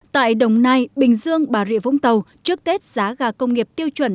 tại đồng nai bình dương bà rịa vũng tàu trước tết giá gà công nghiệp tiêu chuẩn